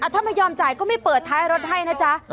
ถ้าไม่ยอมจ่ายก็ไม่เปิดท้ายรถให้นะจ๊ะ